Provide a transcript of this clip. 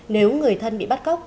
nếu người thân bị bắt góc